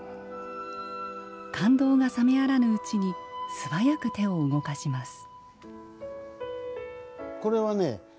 感動が冷めやらぬうちに素早く手を動かします